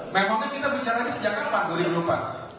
memang kita bicara ini sejak kapan dua ribu empat